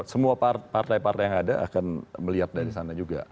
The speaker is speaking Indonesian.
semua partai partai yang ada akan melihat dari sana juga